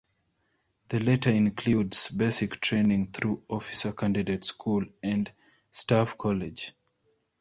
The latter includes basic training through officer candidate school and staff college.